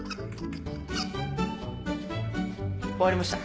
終わりました。